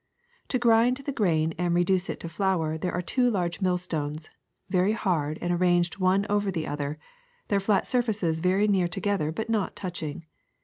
i i Tjy^ grind the grain and reduce it to flour there are two large millstones, very hard and arranged one over the other, their flat surfaces very near together but not touching.